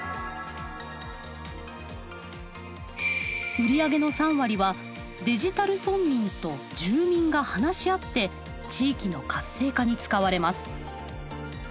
売上の３割はデジタル村民と住民が話し合って地域の活性化に使われます。